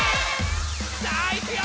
さあいくよ！